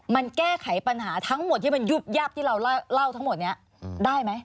มันแก้ไขปัญหาทั้งหมดที่มันยุบยับที่เราเล่าทั้งหมดนี้ได้ไหม